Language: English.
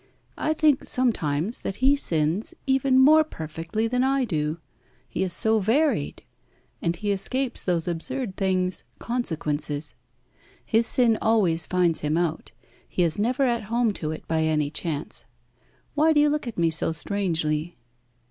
"I think sometimes that he sins even more perfectly than I do. He is so varied. And he escapes those absurd things, consequences. His sin always finds him out. He is never at home to it by any chance. Why do you look at me so strangely?"